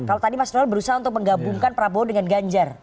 kalau tadi mas donald berusaha untuk menggabungkan prabowo dengan ganjar